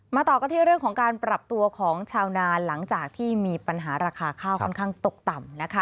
ต่อกันที่เรื่องของการปรับตัวของชาวนานหลังจากที่มีปัญหาราคาข้าวค่อนข้างตกต่ำนะคะ